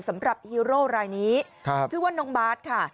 ฮีโร่รายนี้ชื่อว่าน้องบาทค่ะ